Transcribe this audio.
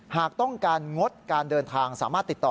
หากต้องการงดการเดินทางสามารถติดต่อ